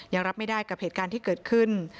รับไม่ได้กับเหตุการณ์ที่เกิดขึ้น